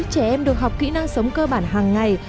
trẻ em được học kỹ năng sống cơ bản hàng ngày